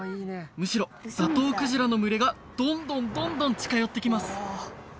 むしろザトウクジラの群れがどんどんどんどん近寄ってきます